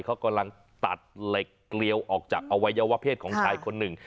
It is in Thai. เขากำลังตัดเหล็กเกลียวออกจากอวัยวะเพศของชายคนหนึ่ง